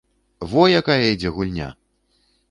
Во якая ідзе гульня!